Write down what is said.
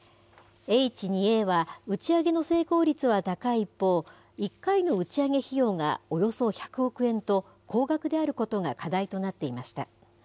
Ｈ２Ａは、打ち上げの成功率は高い一方、１回の打ち上げ費用がおよそ１００億円と、高額であることが課題となっていました。